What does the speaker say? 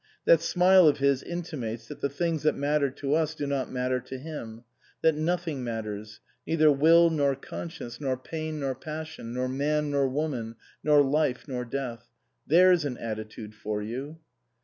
That smile of his intimates that the things that matter to us do not matter to him ; that nothing matters neither will nor conscience, nor pain nor passion, nor man nor woman, nor life nor death. There's an attitude for you